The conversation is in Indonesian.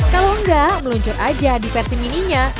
kalau enggak meluncur aja di versi mininya